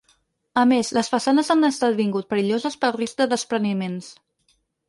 A més, les façanes han esdevingut perilloses pel risc de despreniments.